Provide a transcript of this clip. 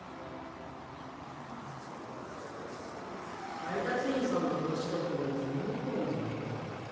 配達員さんの話だとこのあたりだな。